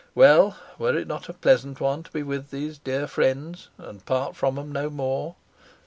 Well, were it not a pleasant one to be with these dear friends and part from 'em no more?